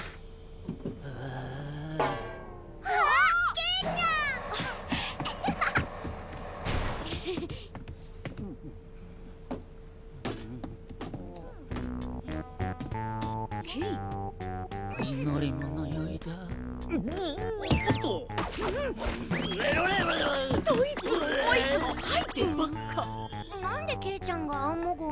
何でケイちゃんがアンモ号に？